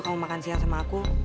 mau makan siang sama aku